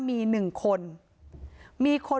นี่แหละตรงนี้แหละ